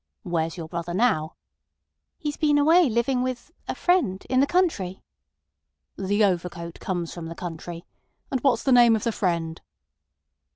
"Where's your brother now?" "He's been away living with—a friend—in the country." "The overcoat comes from the country. And what's the name of the friend?"